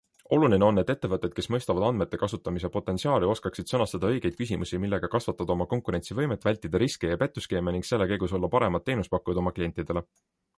Oluline on, et ettevõtted, kes mõistavad andmete kasutamise potentsiaali, oskaksid sõnastada õigeid küsimusi, millega kasvatada oma konkurentsivõimet, vältida riske ja petuskeeme ning selle käigus olla paremad teenusepakkujad oma klientidele.